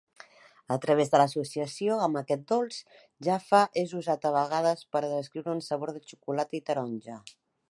A través de l'associació amb aquest dolç, Jaffa és usat a vegades per a descriure un sabor de xocolata i taronja.